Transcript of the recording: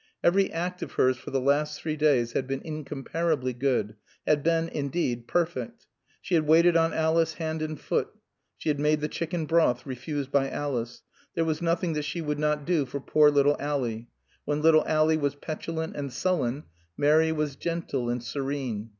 Every act of hers for the last three days had been incomparably good, had been, indeed, perfect. She had waited on Alice hand and foot. She had made the chicken broth refused by Alice. There was nothing that she would not do for poor little Ally. When little Ally was petulant and sullen, Mary was gentle and serene.